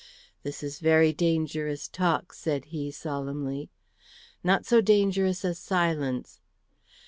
"This is very dangerous talk," said he, solemnly. "Not so dangerous as silence."